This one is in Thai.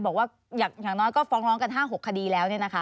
บอกว่าอย่างน้อยก็ฟ้องร้องกัน๕๖คดีแล้ว